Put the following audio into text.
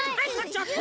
ちょっと！